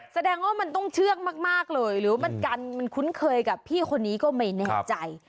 แสดงว่ามันต้องเชื่องมากเลยหรือมันกันมันคุ้นเคยกับพี่คนนี้ก็ไม่แน่ใจ